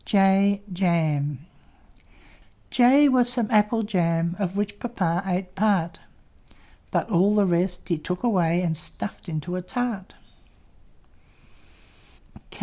J J was some Apple Jam, Of which Papa ate part; But all the rest he took away And stuffed into a tart.